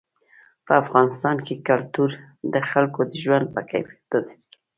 په افغانستان کې کلتور د خلکو د ژوند په کیفیت تاثیر کوي.